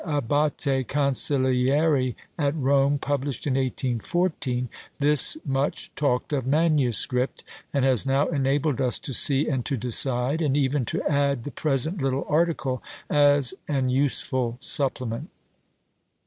Abbate Cancellieri at Rome published, in 1814, this much talked of manuscript, and has now enabled us to see and to decide, and even to add the present little article as an useful supplement.